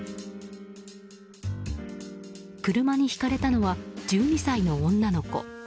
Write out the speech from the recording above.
車にひかれたのは１２歳の女の子。